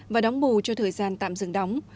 và đóng bù cho thời gian tạm dừng đóng